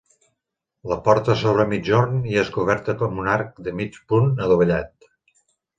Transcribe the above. La porta s'obre a migjorn i és coberta amb un arc de mig punt adovellat.